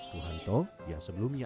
tuhanto yang sebelumnya